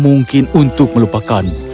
mungkin untuk melupakanmu